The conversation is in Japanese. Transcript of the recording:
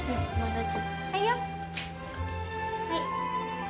はい。